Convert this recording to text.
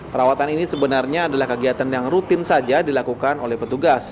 perawatan ini sebenarnya adalah kegiatan yang rutin saja dilakukan oleh petugas